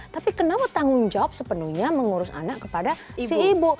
tapi kenapa tanggung jawab sepenuhnya mengurus anak kepada si ibu